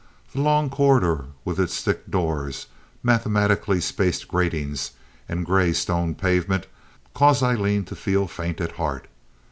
The long corridor, with its thick doors, mathematically spaced gratings and gray stone pavement, caused Aileen to feel faint at heart.